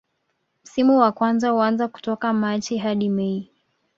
Msimu wa kwanza huanza kutoka Machi hadi mei